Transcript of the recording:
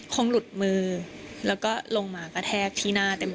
คงหลุดมือแล้วก็ลงมากระแทกที่หน้าเต็ม